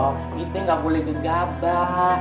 kita gak boleh kejabat